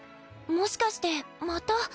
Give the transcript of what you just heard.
もしかしてまた。